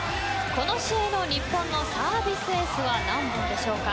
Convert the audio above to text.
この試合の日本のサービスエースは何本でしょうか。